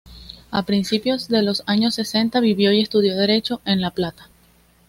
A principios de los años sesenta vivió y estudió Derecho en La Plata.